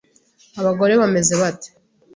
Abagore bameze bate?